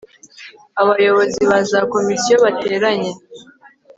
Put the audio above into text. abayobozi ba za komisiyo bateranye